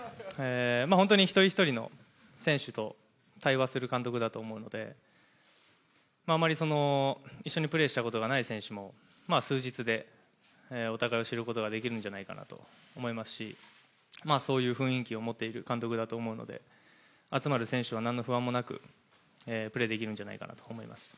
ホントに一人一人の選手と対話する監督だと思うので、あまり一緒にプレーしたことがない選手も数日でお互いを知ることができるんじゃないかなと思いますしそういう雰囲気を持ってる監督だと思っているので、集まる選手はそんなに不安なくプレーできるんじゃないかなと思います。